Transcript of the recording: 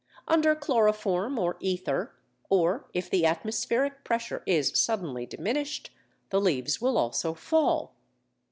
Under chloroform or ether, or if the atmospheric pressure is suddenly diminished, the leaves will also fall.